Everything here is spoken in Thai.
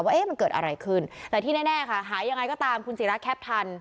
ว่ามันเกิดอะไรขึ้นแต่ที่แน่ค่ะหายังไงก็ตามคุณศิราแคปทัน